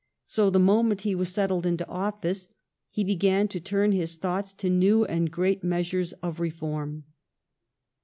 So the moment he was settled into office he began to turn his thoughts to new and great measures of reform.